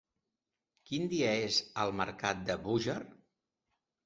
Quin dia és el mercat de Búger?